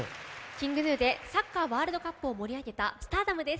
ＫｉｎｇＧｎｕでサッカーワールドカップを盛り上げた「Ｓｔａｒｄｏｍ」です。